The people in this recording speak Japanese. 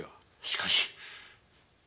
しかし。